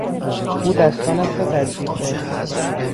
او دستانش را در جیبهایش کرده بود.